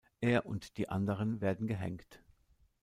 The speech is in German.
Er und die anderen werden gehängt.